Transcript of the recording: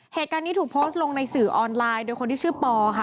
เหตุการณ์นี้ถูกโพสต์ลงในสื่อออนไลน์โดยคนที่ชื่อปอค่ะ